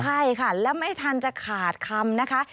ใช่ค่ะแล้วไม่ทันจะขาดคำนะคะ